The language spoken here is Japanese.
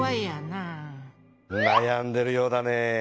なやんでるようだねえ。